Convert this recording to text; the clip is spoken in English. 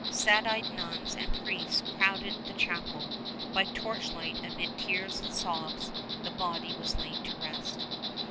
Sad eyed nuns and priests crowded the chapel. By torchlight, amid tears and sobs, the body was laid to rest.